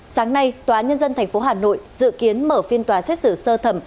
sáng nay tòa nhân dân tp hà nội dự kiến mở phiên tòa xét xử sơ thẩm